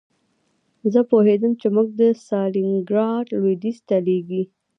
زه پوهېدم چې موږ د ستالینګراډ لویدیځ ته لېږي